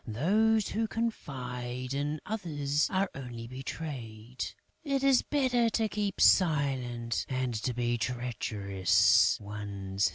Those who confide in others are only betrayed; it is better to keep silent and to be treacherous one's self."